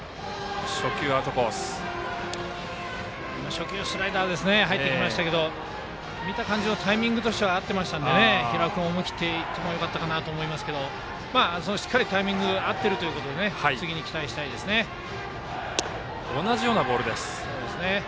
初球スライダーで入ってきましたが見た感じタイミングとしては合っていましたので平尾君は思い切っていってもよかったと思いますがしっかりタイミング合っているということで同じようなボールです。